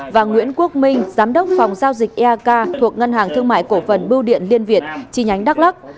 và nguyễn quốc minh giám đốc phòng giao dịch eak thuộc ngân hàng thương mại cổ phần bưu điện liên việt chi nhánh đắk lắc